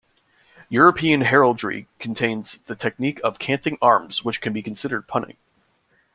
European heraldry contains the technique of canting arms, which can be considered punning.